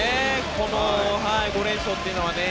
この５連勝というのはね。